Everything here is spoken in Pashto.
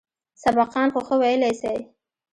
سبقان خو ښه ويلى سئ.